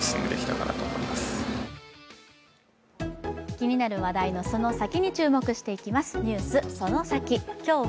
気になる話題のその先に注目して行きます、「ＮＥＷＳそのサキ！」。